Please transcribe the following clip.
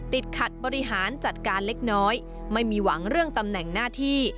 ติดขัดบริหารจัดการเล็กน้อยไม่มีหวังเรื่องตำแหน่งหน้าที่